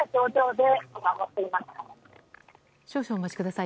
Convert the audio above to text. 少々お待ちください。